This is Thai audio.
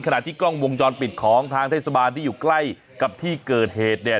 ที่กล้องวงจรปิดของทางเทศบาลที่อยู่ใกล้กับที่เกิดเหตุเนี่ย